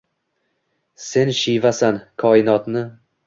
Sev Shivasan, koinotni